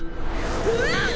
うわっ！